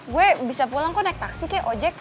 gue bisa pulang kok naik taksi kayak ojek